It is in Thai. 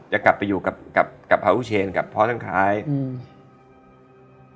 จะกลับไปอยู่กับพระอุเชนกับพ่อท่านคลายอืม